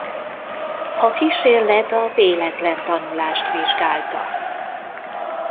A kísérlet a véletlen tanulást vizsgálta.